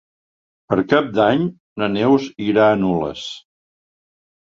Per Cap d'Any na Neus irà a Nules.